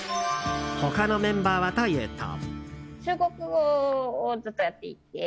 他のメンバーはというと。